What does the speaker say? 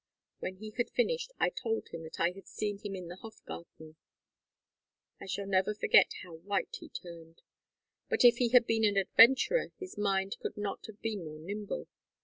When he had finished I told him that I had seen him in the Hofgarten. I never shall forget how white he turned. But if he had been an adventurer his mind could not have been more nimble.